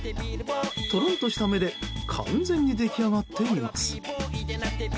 トロンとした目で完全に出来上がっています。